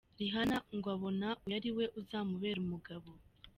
Rihanna ngo abona uyu ari we uzamubera umugabo.